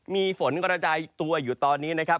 มีฝนกระจายตัวอยู่ตอนนี้นะครับ